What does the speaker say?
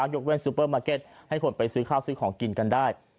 ยกเว่นซูเปอร์มาร์เก็ตให้คนไปซื้อข้าวซื้อของกินกันได้